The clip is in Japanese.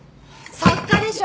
作家でしょ？